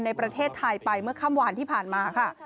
ในประเทศไทยไปเมื่อค่ำหวานที่ผ่านมาค่ะ